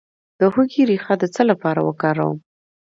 د هوږې ریښه د څه لپاره وکاروم؟